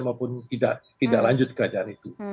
maupun tidak lanjut kerajaan itu